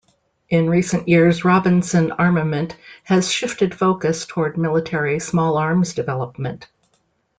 In recent years Robinson Armament has shifted focus toward military small arms development.